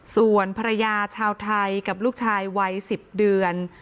ส่วนภรรยาชาวไทยกับลูกชายวัย๑๐เดือน